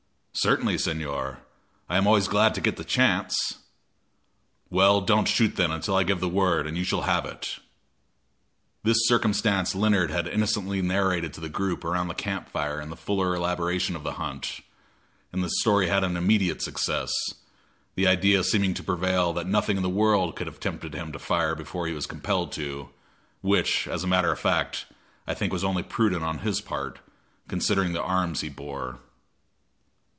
"Certainly, Señor, I am always glad to get the chance." "Well, don't shoot then until I give the word, and you shall have it." This circumstance Leonard had innocently narrated to the group around the camp fire in the fuller elaboration of the hunt, and the story had an immediate success, the idea seeming to prevail that nothing in the world could have tempted him to fire before he was compelled to which, as a matter of fact, I think was only prudent on his part, considering the arms he bore.